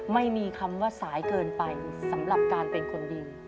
ไม่มีคำว่าสายเกินไปสำหรับการเป็นคนดี